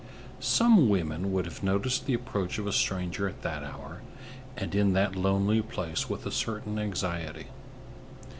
Some women would have noticed the approach of a stranger at that hour and in that lonely place with a certain anxiety.